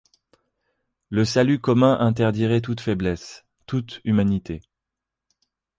Le salut commun interdirait toute faiblesse, toute humanité!...